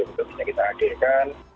untuk bisa kita hadirkan